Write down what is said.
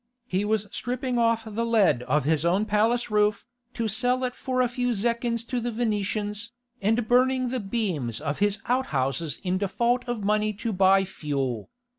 He was stripping off the lead of his own palace roof, to sell it for a few zecchins to the Venetians, and burning the beams of his outhouses in default of money to buy fuel.